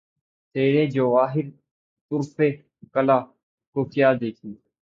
تیرے جواہرِ طُرفِ کلہ کو کیا دیکھیں!